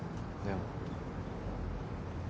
でも。